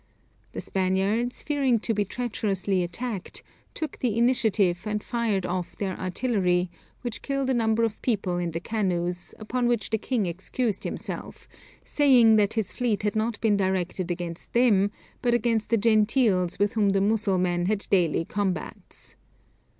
The Spaniards, fearing to be treacherously attacked, took the initiative and fired off their artillery, which killed a number of people in the canoes, upon which the king excused himself, saying that his fleet had not been directed against them, but against the Gentiles with whom the Mussulmen had daily combats.